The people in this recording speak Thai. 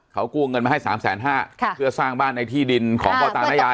เขากู้เงินมาให้สามแสนห้าค่ะเพื่อสร้างบ้านในที่ดินของพ่อตาแม่ยาย